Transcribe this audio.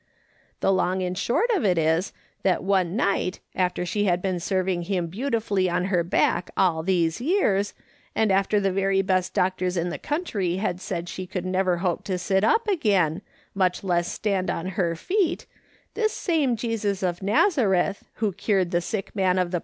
The long and short of it is, that one night, after she had been serving him beautifully on her back all these years, and after the very best doctors in the country had said she never could hope to sit up again, much less stand on her feet, this same Jesus of Nazareth, who cured the sick man of the "/ SUPPOSE HE KNOIVS WHAT HE MEANT."